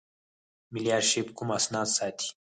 ملي آرشیف کوم اسناد ساتي؟